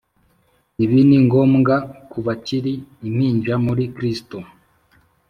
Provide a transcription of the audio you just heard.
Ibi ni ngombwa ku bakiri impinja muri Kristo.